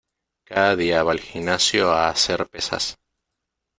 Cada día va al gimnasio a hacer pesas.